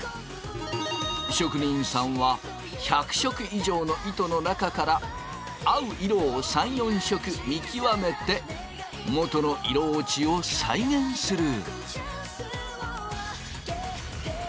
職人さんは１００色以上の糸の中から合う色を３４色見極めてもとの色落ちを再現する。